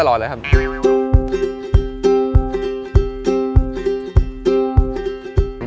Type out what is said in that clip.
อย่างน้องหมานะครับที่เรานำมาประจำการที่สุนัขตำรวจ